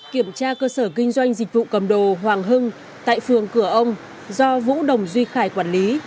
kiểm tra cơ sở kinh doanh dịch vụ cầm đồ hoàng hưng tại phường cửa ông do vũ đồng duy khải quản lý